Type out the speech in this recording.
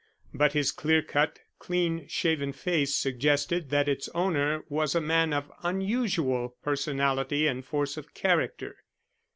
But his clear cut, clean shaven face suggested that its owner was a man of unusual personality and force of character.